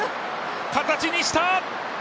形にした！